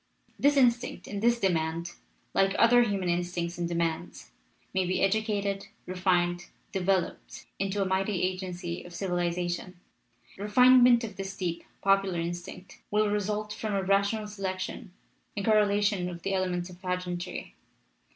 This instinct and this demand, like other human in stincts and demands, may be educated, refined, developed into a mighty agency of civilization. LITERATURE IN THE MAKING Refinement of this deep, popular instinct will re sult from a rational selection in correlation of the elements of pageantry.